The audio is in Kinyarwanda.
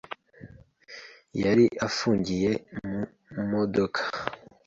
yari afungiye mu modoka.